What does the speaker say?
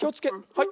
はい。